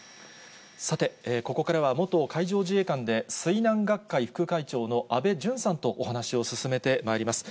さて、ここからは元海上自衛官で、水難学会副会長の安倍淳さんとお話を進めてまいります。